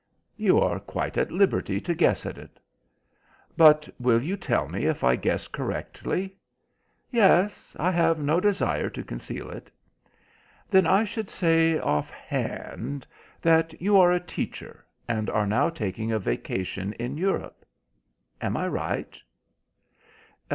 "You are quite at liberty to guess at it." "But will you tell me if I guess correctly?" "Yes. I have no desire to conceal it." "Then, I should say off hand that you are a teacher, and are now taking a vacation in Europe. Am I right?"